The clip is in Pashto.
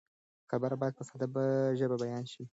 خبر باید په ساده ژبه بیان شي.